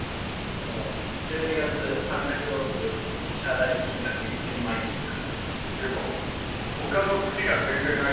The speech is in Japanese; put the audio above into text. １２月サンタクロースお支払金額１０００万円とか。